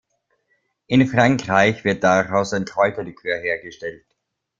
In Frankreich wird daraus ein Kräuterlikör hergestellt.